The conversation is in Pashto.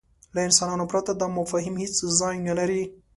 له انسانانو پرته دا مفاهیم هېڅ ځای نهلري.